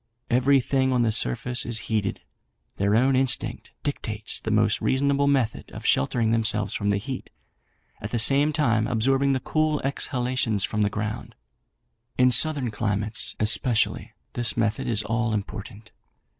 Everything on the surface is heated; their own instinct dictates the most reasonable method of sheltering themselves from the heat, at the same time absorbing the cool exhalations from the ground. In southern climates, especially, this method is all important.